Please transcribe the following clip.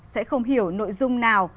sẽ không hiểu nội dung nào